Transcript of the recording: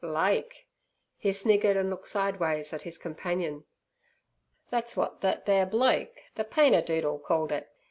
"Lake!" he sniggered and looked sideways at his companion. "Thet's wot thet there bloke, the painter doodle, called it.